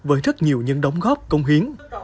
với rất nhiều nhân đóng góp công hiến